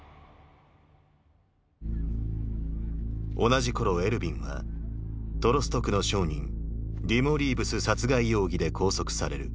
同じ頃エルヴィンはトロスト区の商人ディモ・リーブス殺害容疑で拘束される。